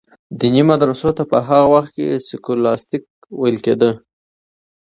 دیني مدرسو ته په هغه وخت کي سکولاستیک ویل کیده.